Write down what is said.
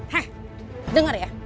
he denger ya